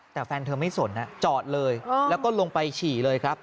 แต่แฟนเธอไม่สนจอดเลยแล้วก็ลงไปฉี่เลยครับ